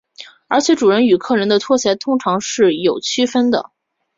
而且主人与客人的拖鞋通常是有所区分的。